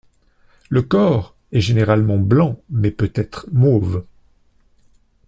Le corps est généralement blanc mais peut être mauve.